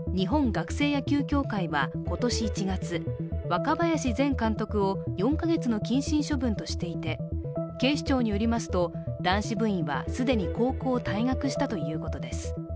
学生野球協会は今年１月、若林前監督を４か月の謹慎処分としていて、警視庁によりますと男子部員は既に高校を退学したということです。